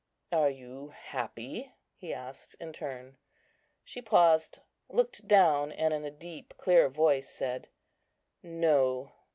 "Are you happy?" he asked in turn. She paused, looked down, and in a deep clear voice said, "No."